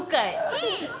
うん！